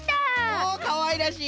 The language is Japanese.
おかわいらしい！